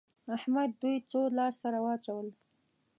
احمد دوی څو لاس سره واچول؟